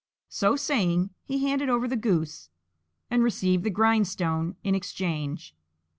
So saying, he handed over the goose, and received the grindstone in exchange.